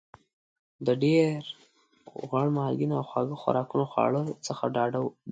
د ډېر غوړ مالګېنه او خواږه خوراکونو خواړو څخه ډاډه وکړئ.